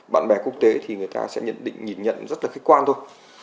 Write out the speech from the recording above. bạn bè quốc tế thì người ta sẽ nhận định nhìn nhận rất là khách quan thôi